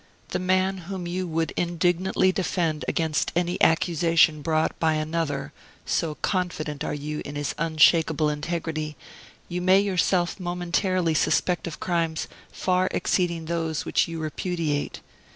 The man whom you would indignantly defend against any accusation brought by another, so confident are you in his unshakable integrity, you may yourself momentarily suspect of crimes far exceeding those which you repudiate.